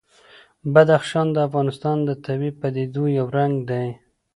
بدخشان د افغانستان د طبیعي پدیدو یو رنګ دی.